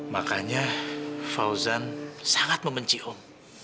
makanya fauzan sangat membenci om